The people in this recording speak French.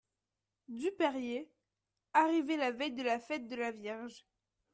Dupérier, arrivée la veille de la fête de la Vierge.